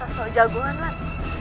lo gak usah soal jagoan man